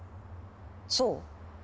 そう？